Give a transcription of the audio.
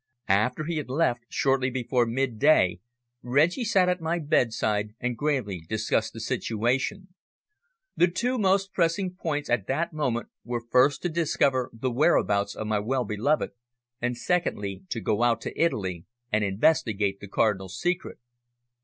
After he had left, shortly before midday, Reggie sat at my bedside and gravely discussed the situation. The two most pressing points at that moment were first to discover the whereabouts of my well beloved, and secondly to go out to Italy and investigate the Cardinal's secret.